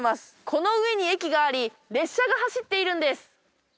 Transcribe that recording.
この上に駅があり、列車が走っているんです。